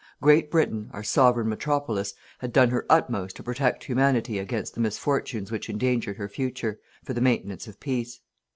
"Great Britain, our Sovereign Metropolis, had done her utmost to protect Humanity against the misfortunes which endangered her future, for the maintenance of peace.